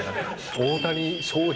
大谷翔平